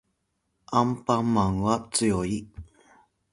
アンパンマンは強い